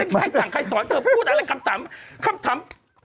ใครสั่งใครสอนแครบถาม